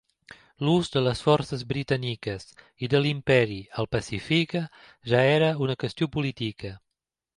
L'ús de les forces britàniques i de l'Imperi al Pacífic ja era una qüestió política.